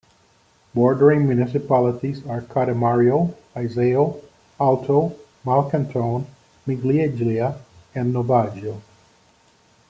Bordering municipalities are Cademario, Iseo, Alto Malcantone, Miglieglia and Novaggio.